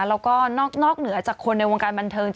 แล้วก็นอกเหนือจากคนในวงการบันเทิง